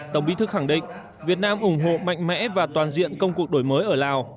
tổng bí thư khẳng định việt nam ủng hộ mạnh mẽ và toàn diện công cuộc đổi mới ở lào